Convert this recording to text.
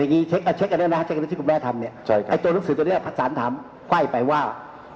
เดี๋ยวเช็คนี้ที่คุณแม่ทำโจรุงสือตัวนี้ผสานถามไว้ไปว่า